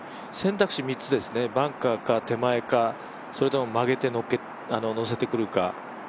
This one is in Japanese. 選択肢３つですね、バンカーか手前か、それとも曲げて乗せてくるか。